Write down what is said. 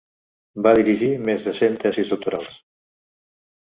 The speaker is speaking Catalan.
Va dirigir més de cent tesis doctorals.